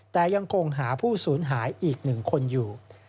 แต่ยังคงหาผู้สูญหายอีก๑คนอยู่